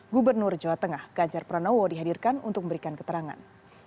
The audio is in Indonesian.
gubernur jawa tengah ganjar pranowo dihadirkan untuk memberikan keterangan